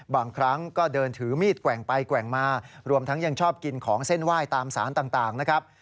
บางครั้งก็เดินถือมีดแกว่งไปแกว่งมารวมทั้งยังชอบกินของเส้นไหว้ตามสารต่างนะครับ